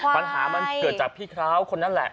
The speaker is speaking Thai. ปัญหามันเกิดจากพี่คร้าวคนนั้นแหละ